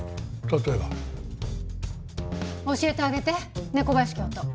例えば？教えてあげて猫林教頭。